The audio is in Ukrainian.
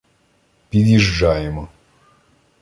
Під'їжджаємо.